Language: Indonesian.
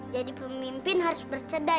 jadi pemimpin harus berbuat